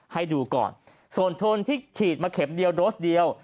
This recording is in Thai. ให้ดูก่อนส่วนโทนที่ฉีดมาเข็มเดียวโดสเดียว